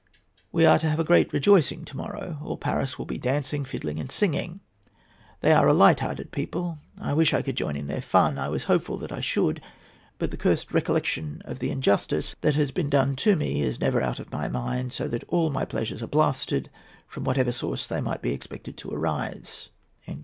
We are to have a great rejoicing to morrow. All Paris will be dancing, fiddling, and singing. They are a light hearted people. I wish I could join in their fun. I was hopeful that I should; but the cursed recollection of the injustice that has been done to me is never out of my mind; so that all my pleasures are blasted, from whatever source they might be expected to arise."